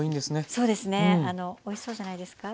そうですねおいしそうじゃないですか？